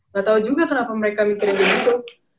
gak tau juga kenapa mereka mikirin gitu